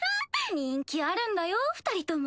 人気あるんだよ二人とも。